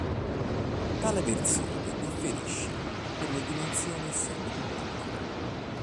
Tale versione differisce per le dimensioni essendo più piccola.